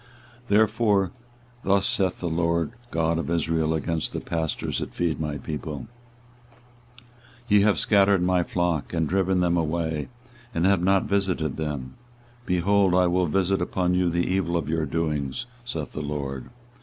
24:023:002 Therefore thus saith the LORD God of Israel against the pastors that feed my people; Ye have scattered my flock, and driven them away, and have not visited them: behold, I will visit upon you the evil of your doings, saith the LORD.